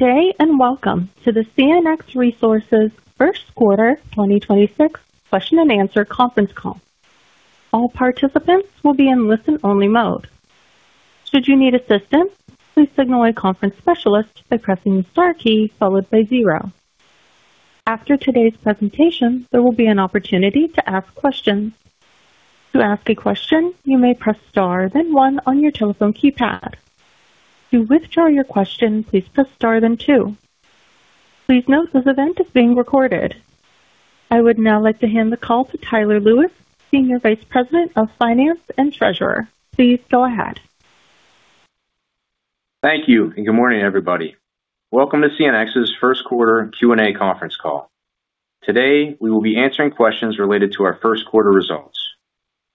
Good day, and welcome to the CNX Resources Q1 2026 question-and-answer conference call. All participants will be on listen only mode. If you need assistance, please signal the conference specialist by pressing the star key followed by zero. After today's presentation there will be an opportunity to ask questions. To ask a question, you may press star then one on your telephone keypad. To withdraw your question please press star then two This call is being recorded. Would now like to hand the call to Tyler Lewis, Senior Vice President of Finance and Treasurer. Please go ahead. Thank you. Good morning, everybody. Welcome to CNX's Q1 Q&A conference call. Today, we will be answering questions related to our Q1 results.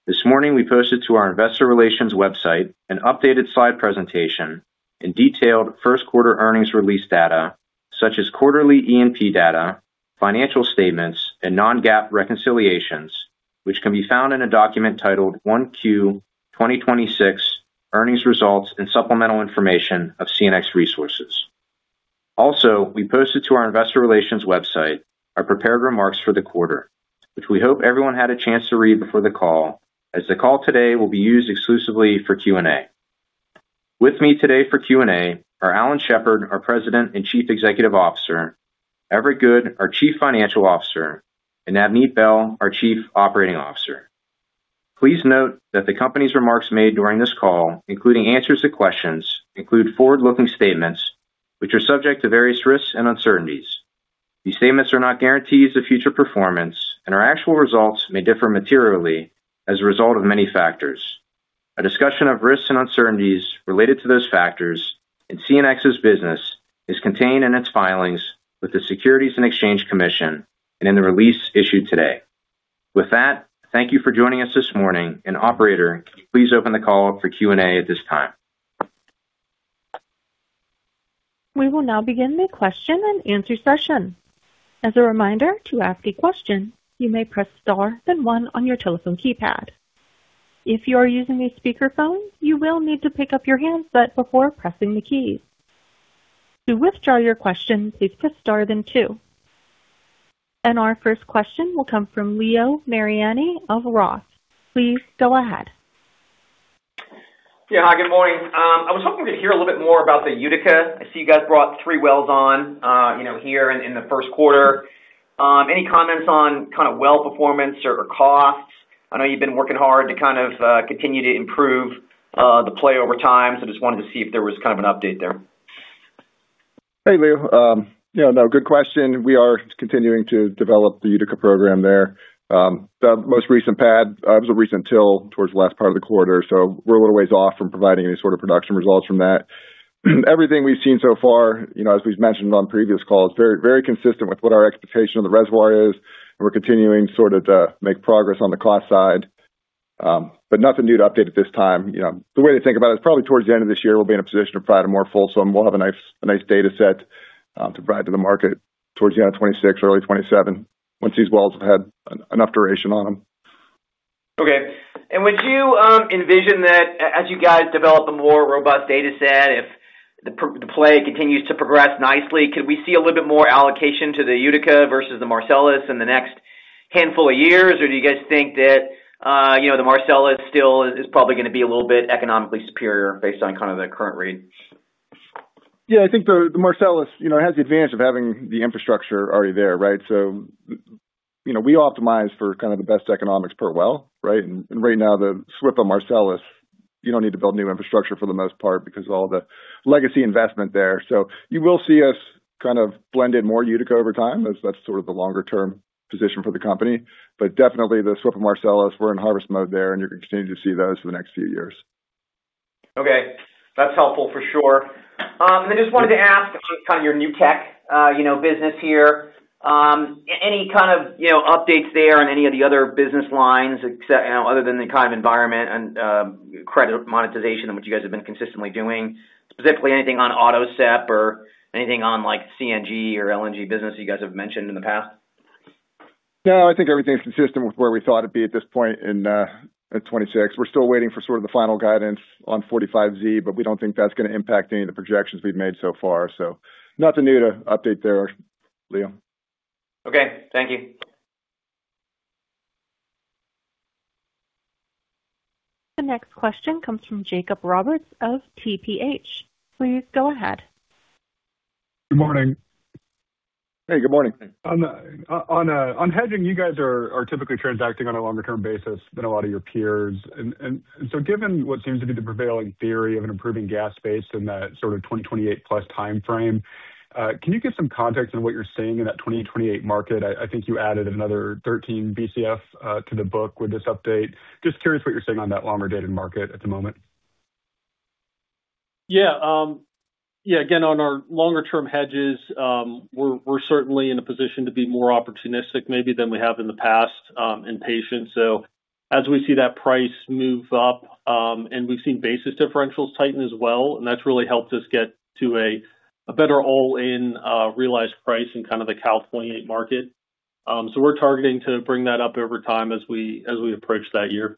This morning, we posted to our investor relations website an updated slide presentation and detailed Q1 earnings release data such as quarterly E&P data, financial statements, and non-GAAP reconciliations, which can be found in a document titled "1Q 2026 earnings results and supplemental information of CNX Resources." Also, we posted to our investor relations website our prepared remarks for the quarter, which we hope everyone had a chance to read before the call, as the call today will be used exclusively for Q&A. With me today for Q&A are Alan Shepard, our President and Chief Executive Officer, Everett Good, our Chief Financial Officer, and Navneet Behl, our Chief Operating Officer. Please note that the company's remarks made during this call, including answers to questions, include forward-looking statements, which are subject to various risks and uncertainties. These statements are not guarantees of future performance and our actual results may differ materially as a result of many factors. A discussion of risks and uncertainties related to those factors in CNX's business is contained in its filings with the Securities and Exchange Commission and in the release issued today. With that, thank you for joining us this morning, and operator, please open the call up for Q&A at this time. We will now begin the question-and-answer session. As a reminder, to ask a question, you may press star then one on your telephone keypad. If you are using a speakerphone, you will need to pick up your handset before pressing the keys. To withdraw your question, please press star then two. Our first question will come from Leo Mariani of Roth. Please go ahead. Yeah, hi, good morning. I was hoping we could hear a little bit more about the Utica. I see you guys brought three wells on, you know, here in the Q1. Any comments on kind of well performance or costs? I know you've been working hard to kind of continue to improve the play over time, so just wanted to see if there was kind of an update there. Hey, Leo. Yeah, no, good question. We are continuing to develop the Utica program there. The most recent pad, it was a recent till towards the last part of the quarter. We're a little way off from providing any sort of production results from that. Everything we've seen so far, you know, as we've mentioned on previous calls, very, very consistent with what our expectation of the reservoir is, and we're continuing sort of to make progress on the cost side. Nothing new to update at this time. You know, the way to think about it is probably towards the end of this year, we'll be in a position to provide a fuller sum. We'll have a nice data set, to provide to the market towards the end of 2026, early 2027, once these wells have had enough duration on them. Okay. Would you envision that as you guys develop a more robust data set, if the play continues to progress nicely, could we see a little bit more allocation to the Utica versus the Marcellus in the next handful of years? Do you guys think that, you know, the Marcellus still is probably going to be a little bit economically superior based on kind of the current rate? I think the Marcellus, you know, has the advantage of having the infrastructure already there, right? You know, we optimize for kind of the best economics per well, right? Right now, the SWPA Marcellus, you don't need to build new infrastructure for the most part because of all the legacy investment there. You will see us kind of blend in more Utica over time as that's sort of the longer-term position for the company. Definitely the SWFPA Marcellus, we're in harvest mode there, and you're going to continue to see those for the next few years. Okay. That's helpful for sure. I just wanted to ask about kind of your new tech, you know, business here. Any kind of, you know, updates there on any of the other business lines other than the kind of environment and credit monetization in which you guys have been consistently doing? Specifically, anything on AutoSep or anything on like CNG or LNG business you guys have mentioned in the past? No, I think everything's consistent with where we thought it'd be at this point in 2026. We're still waiting for sort of the final guidance on 45Z, but we don't think that's going to impact any of the projections we've made so far. Nothing new to update there, Leo. Okay. Thank you. The next question comes from Jake Roberts of TPH. Please go ahead. Good morning. Hey, good morning. On hedging, you guys are typically transacting on a longer-term basis than a lot of your peers. Given what seems to be the prevailing theory of an improving gas space in that sort of 2028 plus timeframe, can you give some context on what you're seeing in that 2028 market? I think you added another 13 BCF to the book with this update. Just curious what you're seeing on that longer-dated market at the moment. Yeah. Yeah, again, on our longer-term hedges, we're certainly in a position to be more opportunistic maybe than we have in the past, and patient. As we see that price move up, and we've seen basis differentials tighten as well, and that's really helped us get to a better all-in realized price in kind of the Cal 28 market. We're targeting to bring that up over time as we approach that year.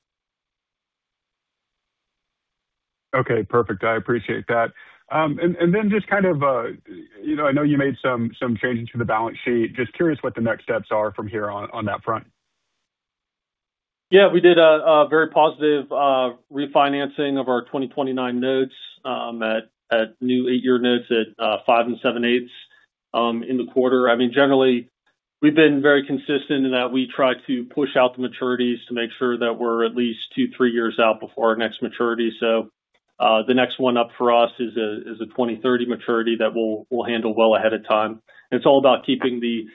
Okay, perfect. I appreciate that. Then just kind of, you know, I know you made some changes to the balance sheet. Just curious what the next steps are from here on that front. Yeah. We did a very positive refinancing of our 2029 notes, at new eight-year notes at five and 7/8, in the quarter. I mean, generally, we've been very consistent in that we try to push out the maturities to make sure that we're at least two, three years out before our next maturity. The next one up for us is a 2030 maturity that we'll handle well ahead of time. It's all about keeping the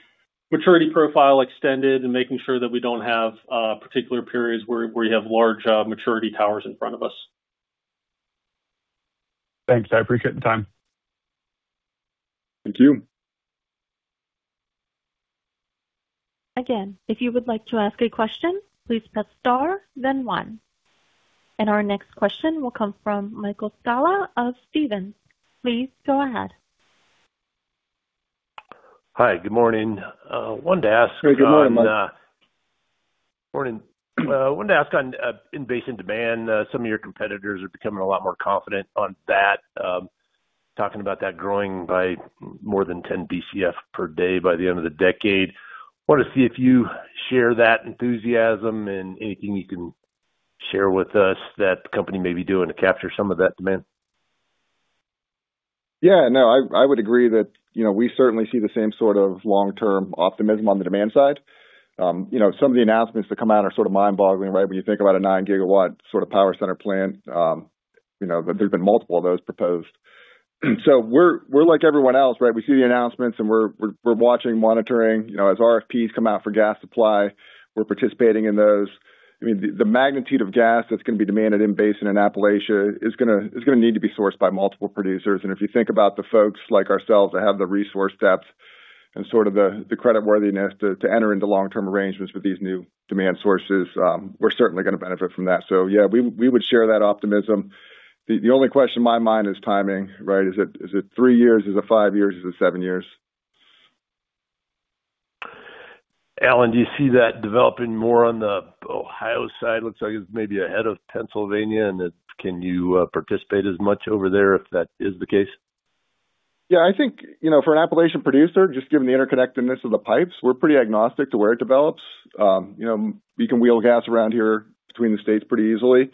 maturity profile extended and making sure that we don't have particular periods where you have large maturity towers in front of us. Thanks. I appreciate the time. Thank you. Again, if you would like to ask a question, please press star then one. Our next question will come from Michael Scialla of Stephens. Please go ahead. Hi, good morning. Hey, good morning, Mike. Morning. Wanted to ask on in basin demand, some of your competitors are becoming a lot more confident on that, talking about that growing by more than 10 BCF per day by the end of the decade. Wanted to see if you share that enthusiasm and anything you can share with us that the company may be doing to capture some of that demand. Yeah, no, I would agree that, you know, we certainly see the same sort of long-term optimism on the demand side. You know, some of the announcements that come out are sort of mind-boggling, right? When you think about a nine-gigawatt sort of power center plant, you know, there's been multiple of those proposed. We're like everyone else, right? We see the announcements, and we're watching, monitoring. You know, as RFP come out for gas supply, we're participating in those. I mean, the magnitude of gas that's going to be demanded in basin in Appalachia is going to need to be sourced by multiple producers. If you think about the folks like us that have the resource depth and sort of the credit worthiness to enter into long-term arrangements with these new demand sources, we're certainly going to benefit from that. Yeah, we would share that optimism. The only question in my mind is timing, right? Is it three years? Is it five years? Is it seven years? Alan, do you see that developing more on the Ohio side? Looks like it's maybe ahead of Pennsylvania, and that can you participate as much over there if that is the case? I think, you know, for an Appalachian producer, just given the interconnectedness of the pipes, we're pretty agnostic to where it develops. You know, you can wheel gas around here between the states pretty easily.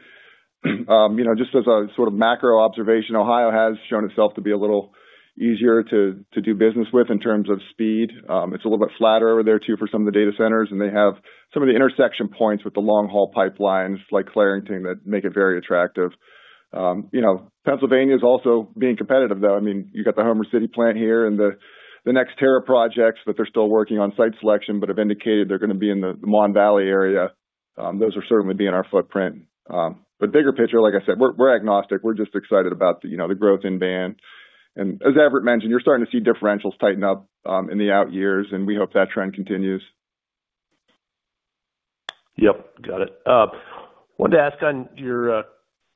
You know, just as a sort of macro-observation, Ohio has shown itself to be a little easier to do business with, in terms of speed. It's a little bit flatter over there too for some of the data centers, and they have some of the intersection points with the long-haul pipelines like Clairton that make it very attractive. You know, Pennsylvania is also being competitive, though. I mean, you got the Homer City plant here and the NextEra projects that they're still working on site selection but have indicated they're going to be in the Mon Valley area. Those will certainly be in our footprint. Bigger picture, like I said, we're agnostic. We're just excited about the, you know, the growth in demand. As Everett mentioned, you're starting to see differentials tighten up in the out years, and we hope that trend continues. Yep, got it. Wanted to ask on your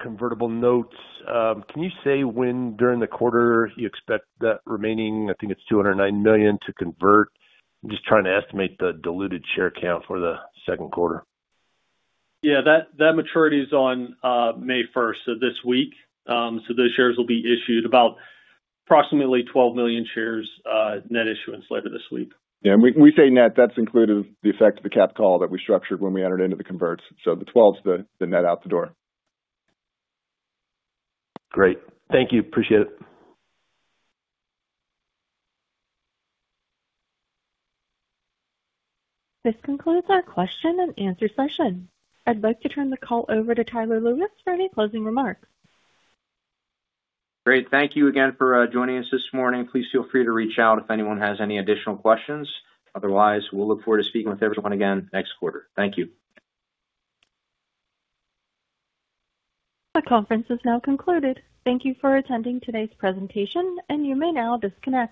convertible notes. Can you say when during the quarter you expect that remaining, I think it's $209 million, to convert? I'm just trying to estimate the diluted share count for the Q2. Yeah, that maturity is on May 1st, so this week. Those shares will be issued about approximately 12 million shares, net issuance later this week. Yeah. We say net, that's including the effect of the cap call that we structured when we entered into the converts. The 12's the net out the door. Great. Thank you. Appreciate it. This concludes our question-and-answer session. I'd like to turn the call over to Tyler Lewis for any closing remarks. Great. Thank you again for joining us this morning. Please feel free to reach out if anyone has any additional questions. Otherwise, we'll look forward to speaking with everyone again next quarter. Thank you. The conference is now concluded. Thank you for attending today's presentation. You may now disconnect.